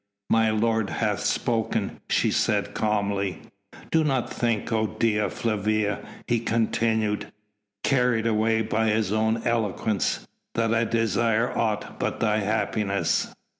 "My lord hath spoken," she said calmly. "Do not think, O Dea Flavia," he continued, carried away by his own eloquence, "that I desire aught but thy happiness.